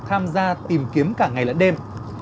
tham gia tìm kiếm cả ngày lãnh đêm